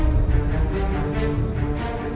kebosokan pasti akan tercium juga